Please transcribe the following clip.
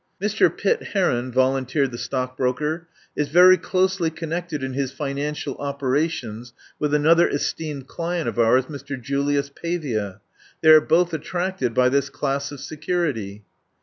"Mr. Pitt Heron," volunteered the stock broker, "is very closely connected in his finan cial operations with another esteemed client of ours, Mr. Julius Pavia. They are both at tracted by this class of security."